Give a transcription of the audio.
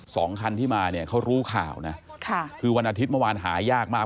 สองคันที่มาเนี่ยเขารู้ข่าวนะค่ะคือวันอาทิตย์เมื่อวานหายากมาก